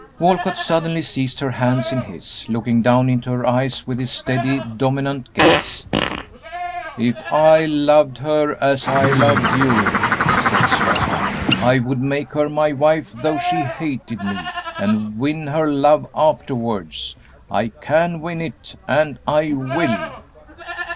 Walcott suddenly seized her hands in his, looking down into her eyes with his steady, dominant gaze. "If I loved her as I love you," he said, slowly, "I would make her my wife though she hated me, and win her love afterwards! I can win it, and I will!"